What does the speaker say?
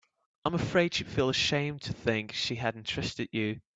I'm afraid she'd feel ashamed to think she hadn't trusted you.